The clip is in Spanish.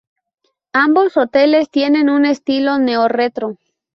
Ambos hoteles tienen un estilo Neo-retro.